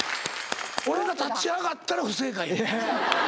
俺が立ち上がったら不正解。